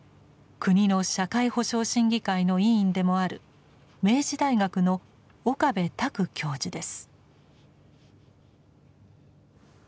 国の社会保障審議会の委員でもある明治大学の岡部卓教授です。